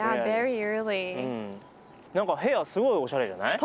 何か部屋すごいおしゃれじゃない？